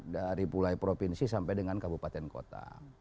dari mulai provinsi sampai dengan kabupaten kota